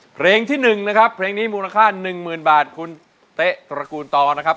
เพลงที่๑นะครับเพลงนี้มูลค่า๑๐๐๐บาทคุณเต๊ะตระกูลต่อนะครับ